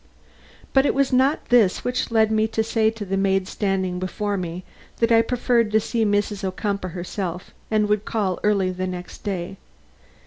But it was not this which led me to say to the maid standing before me that I preferred to see Mrs. Ocumpaugh herself, and would call early the next day.